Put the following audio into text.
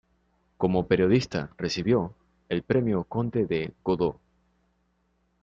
Como periodista recibió el premio Conde de Godó.